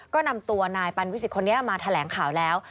ก็นำตัวนายปันวิสิตคนนี้มาแถลงข่าวแล้ว